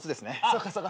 そうかそうか。